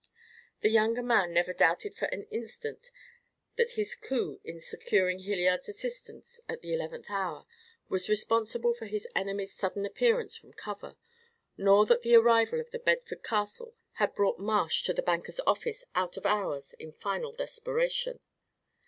The younger man never doubted for an instant that his coup in securing Hilliard's assistance at the eleventh hour was responsible for his enemy's sudden appearance from cover, nor that the arrival of The Bedford Castle had brought Marsh to the banker's office out of hours in final desperation.